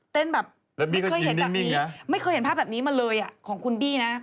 แบบไม่เคยเห็นแบบนี้ไม่เคยเห็นภาพแบบนี้มาเลยของคุณบี้นะ